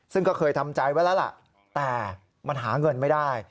ซึ่งก็เคยทำใจไว้แล้วล่ะแต่มันหาเงินไม่ได้